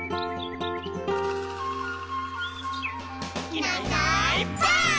「いないいないばあっ！」